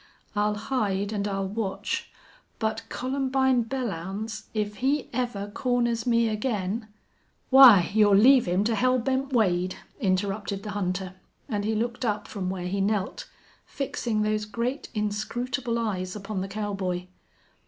I'll hide and I'll watch.... But, Columbine Belllounds, if he ever corners me again " "Why, you'll leave him to Hell Bent Wade," interrupted the hunter, and he looked up from where he knelt, fixing those great, inscrutable eyes upon the cowboy.